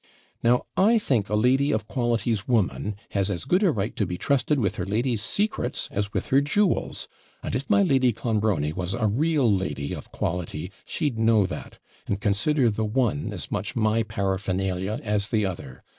Now, I think a lady of quality's woman has as good a right to be trusted with her lady's secrets as with her jewels; and if my Lady Clonbrony was a real lady of quality, she'd know that, and consider the one as much my paraphernalia as the other.